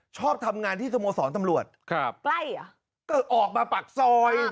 ชอบทำงานที่สโมสรตำรวจครับใกล้เหรอก็ออกมาปากซอย